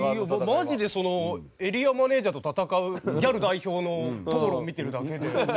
マジでエリアマネジャーと戦うギャル代表の討論見てるだけで。